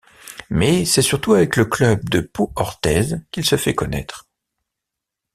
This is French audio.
Mais c'est surtout avec le club de Pau-Orthez qu'il se fait connaître.